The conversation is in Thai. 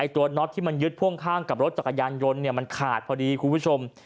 น็อตที่มันยึดพ่วงข้างกับรถจักรยานยนต์มันขาดพอดีคุณผู้ชม